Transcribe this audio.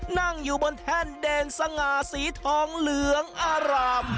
นั่งอยู่บนแท่นเดินสง่าสีทองเหลืองอาราม